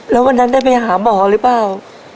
แล้ววันนั้นได้ไปหาหมอหรือเปล่า